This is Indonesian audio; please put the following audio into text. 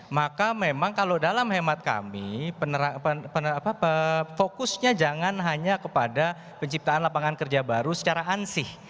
maka memang kalau dalam hemat kami fokusnya jangan hanya kepada penciptaan lapangan kerja baru secara ansih